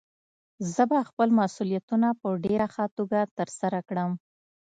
زه به خپل مسؤليتونه په ډېره ښه توګه ترسره کړم.